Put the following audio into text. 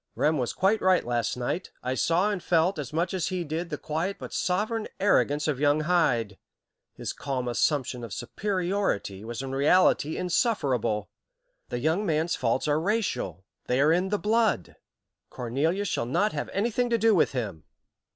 Rem was quite right last night. I saw and felt, as much as he did, the quiet but sovereign arrogance of young Hyde. His calm assumption of superiority was in reality insufferable. The young man's faults are racial; they are in the blood. Cornelia shall not have anything to do with him.